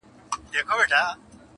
ما راوړي هغه لارو ته ډېوې دي,